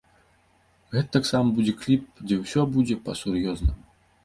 Гэта таксама будзе кліп, дзе ўсё будзе па-сур'ёзнаму.